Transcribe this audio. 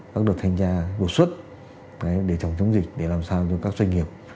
các đợt thanh tra đột xuất để chống chống dịch để làm sao cho các doanh nghiệp